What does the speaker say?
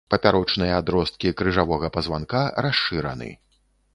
Папярочныя адросткі крыжавога пазванка расшыраны.